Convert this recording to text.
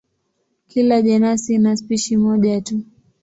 Kila jenasi ina spishi moja tu.